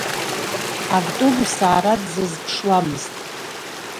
Автобус аара дзазԥшуамызт.